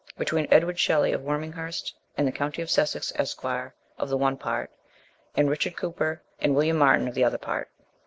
Between Edward Shelley of Worminghurst, in the county of Sussex, Esqre., of the one part, and Rd. Cowper and Wm. Martin of the other part.